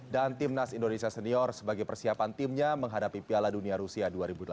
dan tim nasional indonesia senior sebagai persiapan timnya menghadapi piala dunia rusia dua ribu delapan belas